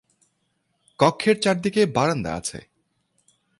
কক্ষের চারদিকে বারান্দা আছে।